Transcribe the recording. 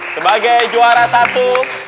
sebagai juara satu